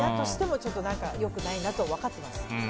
親としても良くないなと分かっています。